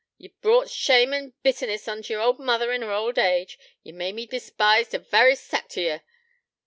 Ye've brought shame and bitterness on yer ould mother in her ould age. Ye've made me despise t' varra sect o' ye.